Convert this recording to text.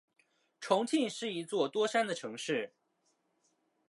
重庆是一座多山的城市。